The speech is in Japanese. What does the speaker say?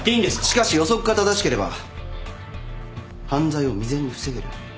しかし予測が正しければ犯罪を未然に防げる。